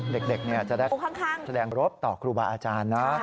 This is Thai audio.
เด็กจะได้แสดงรบต่อครูบาอาจารย์นะ